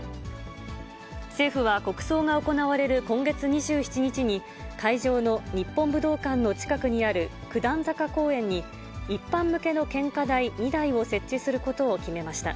政府は国葬が行われる今月２７日に、会場の日本武道館の近くにある九段坂公園に、一般向けの献花台２台を設置することを決めました。